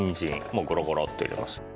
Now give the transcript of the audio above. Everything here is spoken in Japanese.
もうゴロゴロッと入れます。